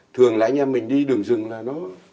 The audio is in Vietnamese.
thường là anh em mình đi đường rừng là nó